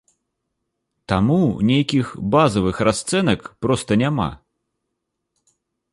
Таму нейкіх базавых расцэнак проста няма.